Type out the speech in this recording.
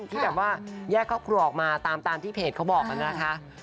ที่แบบว่าแยกครอบครัวออกมาตามที่เพจเขาบอกนะคะ